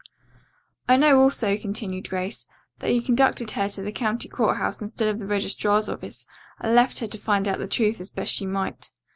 "I know also," continued Grace, "that you conducted her to the county court house instead of the registrar's office and left her to find out the truth as best she might."